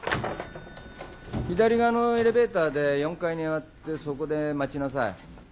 左側のエレベーターで４階に上がってそこで待ちなさい。